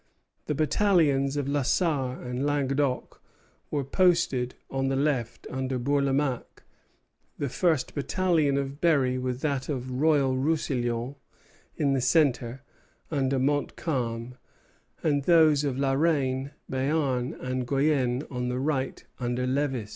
The battalions of La Sarre and Languedoc were posted on the left, under Bourlamaque, the first battalion of Berry with that of Royal Roussillon in the centre, under Montcalm, and those of La Reine, Béarn, and Guienne on the right, under Lévis.